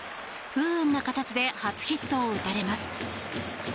不運な形で初ヒットを打たれます。